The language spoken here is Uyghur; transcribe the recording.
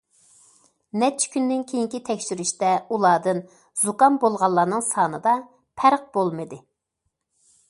نەچچە كۈندىن كېيىنكى تەكشۈرۈشتە، ئۇلاردىن زۇكام بولغانلارنىڭ سانىدا پەرق بولمىدى.